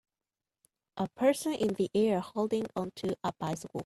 A person in the air holding on to a bicycle.